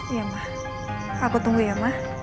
iya mah aku tunggu ya ma